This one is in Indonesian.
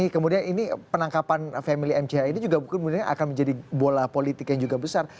kemudian ini penangkapan family mca ini juga mungkin akan menjadi bola politik yang juga besar